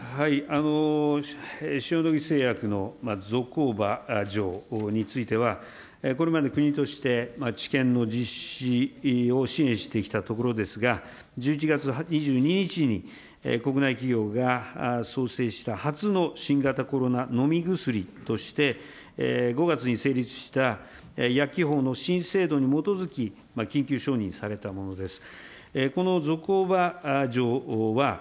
塩野義製薬のゾコーバ錠については、これまで国として、治験の実施を支援してきたところですが、１１月２２日に国内企業が創製した初の新型コロナ飲み薬として、５月に成立した薬機法の新制度に基づき、緊急承認されたものです。